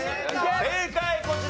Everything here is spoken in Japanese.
正解こちら。